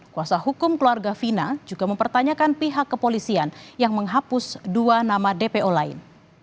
kuasa hukum keluarga fina juga mempertanyakan pihak kepolisian yang menghapus dua nama dpo lain